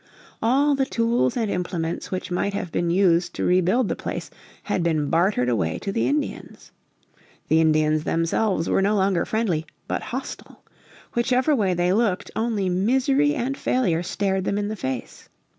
All the tools and implements which might have been used to rebuild the place had been bartered away to the Indians. The Indians themselves were no longer friendly, but hostile. Whichever way they looked only misery and failure stared them in the face.